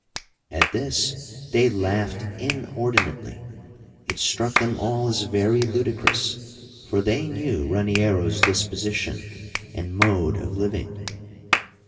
'" At this they laughed inordinately. It struck them all as very ludicrous, for they knew Raniero's disposition and mode of living.